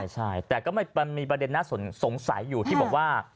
ใช่แต่ก็มีประเด็นน่าสงสัยอยู่ที่บอกว่า